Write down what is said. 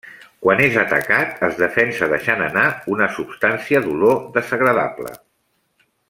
Quan és atacat es defensa deixant anar una substància d'olor desagradable.